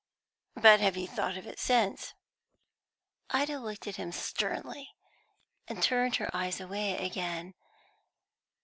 "But you have thought of it since?" Ida looked at him sternly, and turned her eyes away again.